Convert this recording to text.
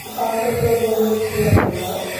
অন্তত বন্ধু ছিলাম আমরা।